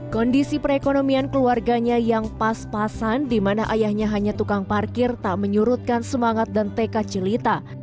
kondisi perekonomian keluarganya yang pas pasan di mana ayahnya hanya tukang parkir tak menyurutkan semangat dan tekad jelita